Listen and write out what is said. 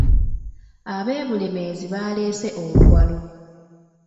Ab’e Bulemeezi baleese oluwalo.